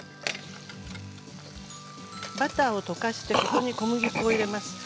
バターを溶かしてここに小麦粉を入れます。